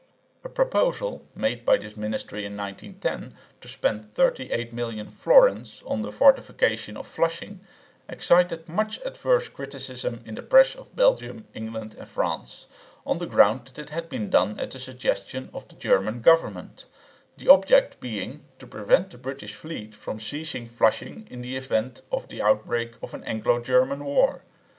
A proposal made by this ministry in 1910 to spend 38,000,000 florins on the fortification of Flushing excited much adverse criticism in the press of Belgium, England and France, on the ground that it had been done at the suggestion of the German government, the object being to prevent the British fleet from seizing Flushing in the event of the outbreak of an Anglo German war.